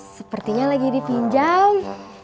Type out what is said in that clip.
sepertinya lagi dipinjam